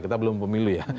kita belum pemilu ya